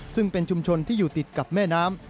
ซึ่งเป็นชุมชนที่อยู่ติดกับแม่น้ำ